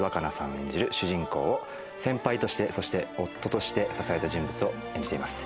演じる主人公を先輩としてそして夫として支えた人物を演じています。